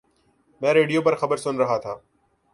میں ریڈیو پر خبر سن رہا تھا